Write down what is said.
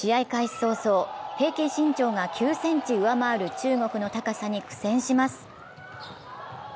早々、平均身長が９ｃｍ上回る中国の高さに苦戦します。